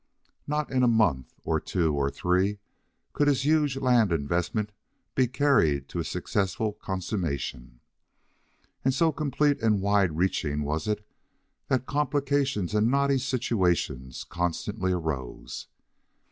Not in a month, or two, or three, could his huge land investment be carried to a successful consummation. And so complete and wide reaching was it that complications and knotty situations constantly arose.